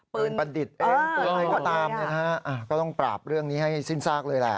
ปืนประดิษฐ์เองก็ต้องปราบเรื่องนี้ให้สิ้นทราบเลยแหละ